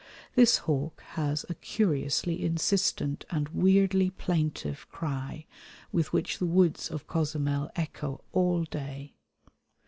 This hawk has a curiously insistent and weirdly plaintive cry, with which the woods of Cozumel echo all day.